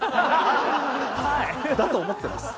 だと思ってます。